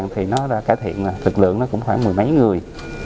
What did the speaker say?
thì nó đã cải thiện thực lượng nó cũng khoảng mười mấy người